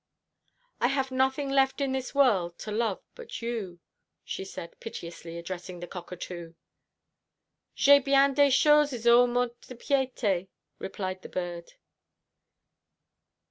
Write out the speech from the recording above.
"I have nothing left in this world to love but you," she said, piteously addressing the cockatoo. "J'ai bien des chos's au Mont d' Piété," replied the bird.